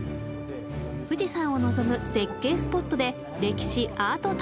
富士山を望む絶景スポットで歴史・アート探訪。